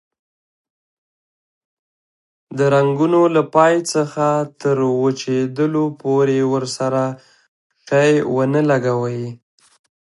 د رنګولو له پای څخه تر وچېدلو پورې ورسره شی ونه لګوئ.